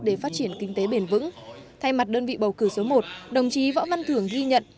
để phát triển kinh tế bền vững thay mặt đơn vị bầu cử số một đồng chí võ văn thưởng ghi nhận